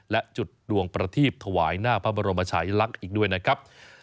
และจุดดวงประทีบถวายหน้าพระบรมชายลักษณ์อีกด้วยนะครับ